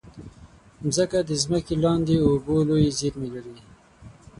مځکه د ځمکې لاندې اوبو لویې زېرمې لري.